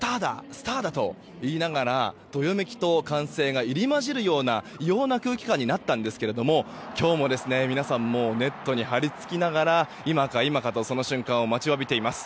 スターだ！と言いながらどよめきと歓声が入り交じるような異様な空気感になったんですが今日も皆さんネットに張り付きながら今か今かとその瞬間を待ちわびています。